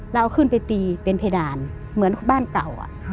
เราขึ้นไปตีเป็นเพดานเหมือนบ้านเก่า